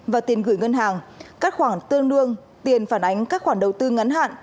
và tiền gửi ngân hàng các khoản tương đương tiền phản ánh các khoản đầu tư ngắn hạn